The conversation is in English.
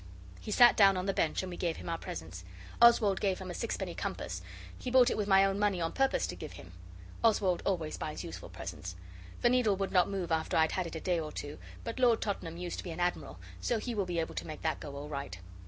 He sat down on the bench, and we gave him our presents. Oswald gave him a sixpenny compass he bought it with my own money on purpose to give him. Oswald always buys useful presents. The needle would not move after I'd had it a day or two, but Lord Tottenham used to be an admiral, so he will be able to make that go all right.